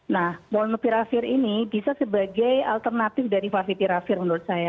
nah molnupiravir ini bisa sebagai alternatif dari vavitiravir menurut saya